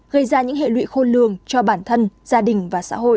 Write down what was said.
gây ra những hệ lụy khôn lường cho bản thân gia đình và xã hội